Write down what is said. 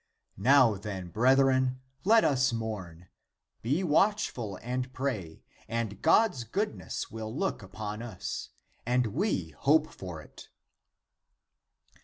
Now then, brethren, let us mourn, be watchful and pray, and God's goodness will look upon us, and we hope for it."